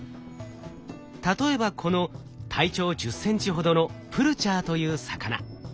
例えばこの体長１０センチほどのプルチャーという魚。